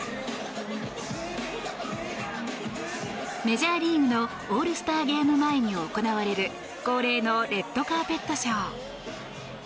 メジャーリーグのオールスターゲーム前に行われる恒例のレッドカーペットショー。